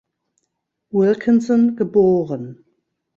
Wilkinson geboren.